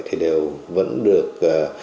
thì đều vẫn được